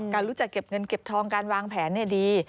รู้จักเก็บเงินเก็บทองการวางแผนดี